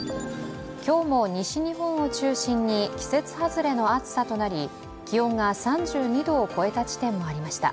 今日も西日本を中心に季節外れの暑さとなり気温が３２度を超えた地点もありました。